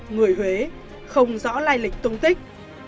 người huế không rõ lai lịch tung tích